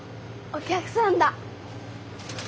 お客さんだ。